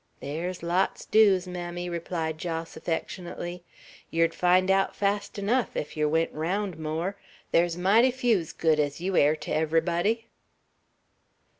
"There's lots doos, mammy," replied Jos, affectionately. "Yer'd find out fast enuf, ef yer went raound more. There's mighty few's good's you air ter everybody."